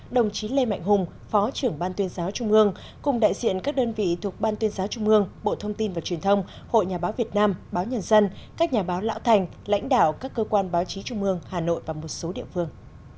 đồng chí lê mạnh hùng phó trưởng ban tuyên giáo trung ương cùng đại diện các đơn vị thuộc ban tuyên giáo trung ương bộ thông tin và truyền thông hội nhà báo việt nam báo nhân dân các nhà báo lão thành lãnh đạo các cơ quan báo chí trung mương hà nội và một số địa phương